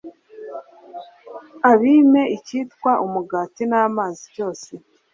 abime icyitwa umugati n'amazi cyose